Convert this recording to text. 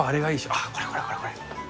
ああこれこれこれこれ！